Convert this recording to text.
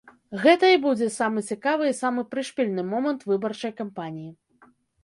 Гэта і будзе самы цікавы і самы прышпільны момант выбарчай кампаніі.